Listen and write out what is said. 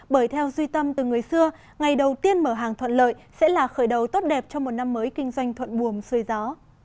bởi theo duy tâm từ người xưa ngày đầu tiên mở hàng thuận lợi sẽ là khởi đầu tốt đẹp cho một năm mới kinh doanh thuận buồm xuôi gió